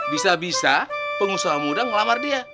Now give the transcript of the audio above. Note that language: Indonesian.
bisa bisa pengusaha muda ngelamar dia